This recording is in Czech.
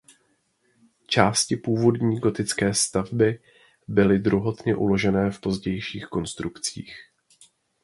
Části původní gotické stavby byly druhotně uložené v pozdějších konstrukcích.